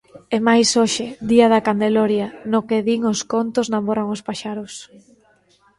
E máis hoxe, día da Candeloria, no que din os contos namoran os paxaros.